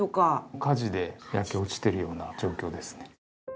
火事で焼け落ちてるような状況ですね。